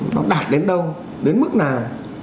nó đạt đến đâu đến mức nào